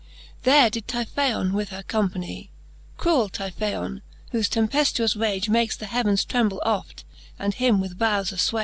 There did Typhaon with her company, Cruell Typhaon^ whofe tempeftuous rage Make th' heavens tremble oft, and him with vowes afTwage.